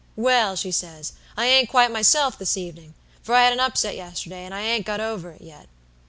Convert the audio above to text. "Well,' she says, 'I ain't quite myself this evenin', for I had a upset yesterday, and I ain't got over it yet.'